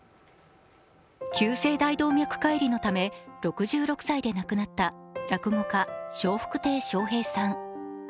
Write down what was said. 急性大動脈解離のため６６歳で亡くなった落語家・笑福亭笑瓶さん。